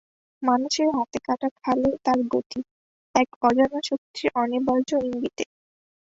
মানুষের হাতে কাটা খালে তার গতি, এক অজানা শক্তির অনিবার্য ইঙ্গিতে?